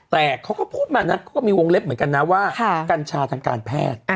แต่เขาก็พูดมานะเขาก็มีวงเล็บเหมือนกันนะว่ากัญชาทางการแพทย์